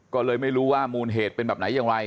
ก็เลยไม่รู้ว่ามูลเหตุเป็นแบบไหนอย่างไร